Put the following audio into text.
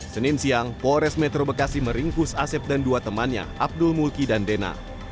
senin siang polres metro bekasi meringkus asep dan dua temannya abdul mulki dan dena